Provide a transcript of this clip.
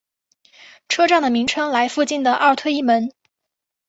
车站的名称来附近的奥特伊门。